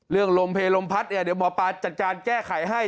เรื่องลงเพชรลงพัสเดี๋ยวหมอป่าจัดจ่ายไข่ให้